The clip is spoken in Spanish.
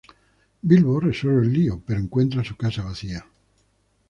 Bilbo resuelve el lío, pero encuentra su casa vacía.